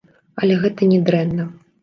Але гэта не дрэнна.